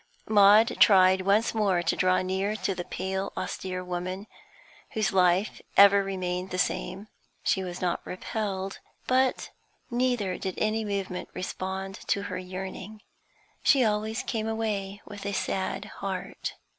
Maud tried once more to draw near to the pale, austere woman, whose life ever remained the same. She was not repelled, but neither did any movement respond to her yearning. She always came away with a sad heart.